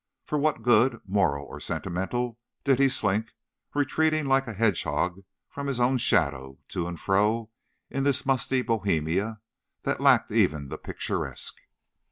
For what good, moral or sentimental, did he slink, retreating like the hedgehog from his own shadow, to and fro in this musty Bohemia that lacked even the picturesque?